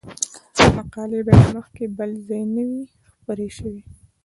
مقالې باید مخکې بل ځای نه وي خپرې شوې.